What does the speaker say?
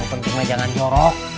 yang pentingnya jangan jorok